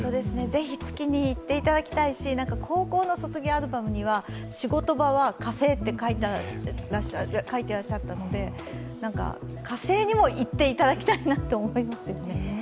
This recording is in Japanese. ぜひ月に行っていただきたいし高校の卒業アルバムには「仕事場は火星」って書いてらしたので火星にも行っていただきたいなと思いますね。